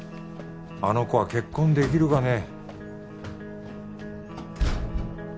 あの子は結婚できるかね？